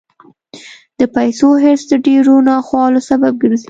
د پیسو حرص د ډېرو ناخوالو سبب ګرځي.